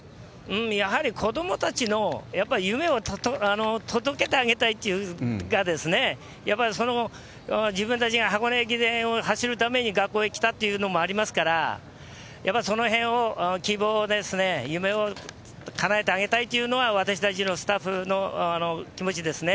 やはり子どもたちの、やっぱり夢を届けてあげたいっていうのが、やっぱり自分たちが箱根駅伝を走るために学校へ来たっていうのもありますから、そのへんを希望をですね、夢をかなえてあげたいというのが、私たちのスタッフの気持ちですね。